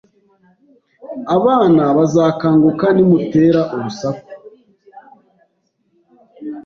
Abana bazakanguka nimutera urusaku.